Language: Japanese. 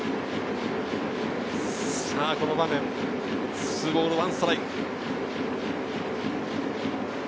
この場面、２ボール１ストライク。